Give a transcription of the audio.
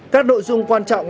các đội dung quan trọng